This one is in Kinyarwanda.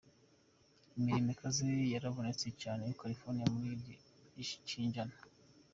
Imiriro ikaze yarabonetse cane i California muri iki kinjana.